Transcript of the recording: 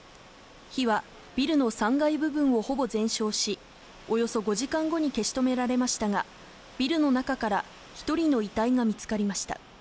火はビルの３階部分をほぼ全焼し、およそ５時間後に消し止められましたが、ビルの中から１人の遺体が見つかりました。